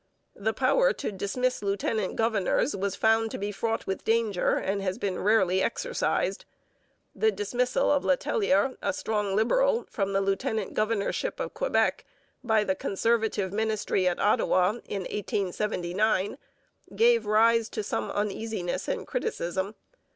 The power to dismiss lieutenant governors was found to be fraught with danger and has been rarely exercised. The dismissal of Letellier, a strong Liberal, from the lieutenant governorship of Quebec by the Conservative ministry at Ottawa in 1879, gave rise to some uneasiness and criticism.